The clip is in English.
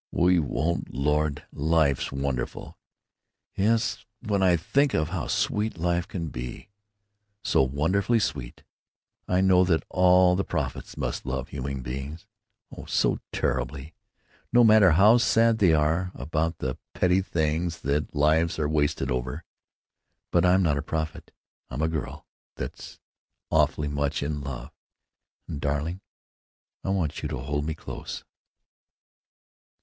"We won't! Lord! life's wonderful!" "Yes! When I think of how sweet life can be—so wonderfully sweet—I know that all the prophets must love human beings, oh, so terribly, no matter how sad they are about the petty things that lives are wasted over.... But I'm not a prophet. I'm a girl that's awfully much in love, and, darling, I want you to hold me close."